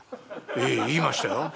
「ええ言いましたよ。